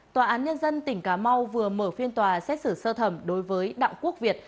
tòa án nhân dân tỉnh cà mau vừa mở phiên tòa xét xử sơ thẩm đối với đặng quốc việt